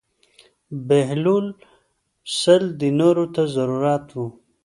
بهلول سل دینارو ته ضرورت و.